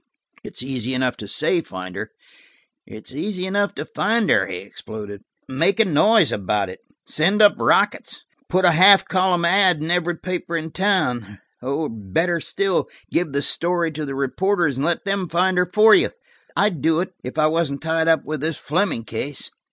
"It's easy enough to say find her." "It's easy enough to find her;" he exploded. "Make a noise about it; send up rockets. Put a half column ad in every paper in town, or–better still–give the story to the reporters and let them find her for you. I'd do it, if I wasn't tied up with this Fleming case.